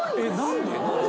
何で？